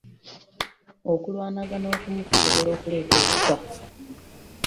Okulwanagana okumu kusobola okuleeta okufa.